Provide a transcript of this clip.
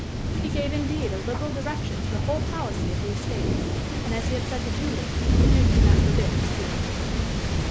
He gave, indeed, a liberal direction to the whole policy of the estate, and, as he had said to Julie, the Duke did not forbid experiments.